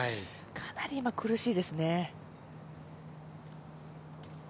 かなり今、苦しいですね。